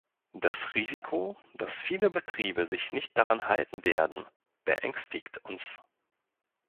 Das Risiko, dass viele Betriebe sich nicht daran halten werden, beängstigt uns.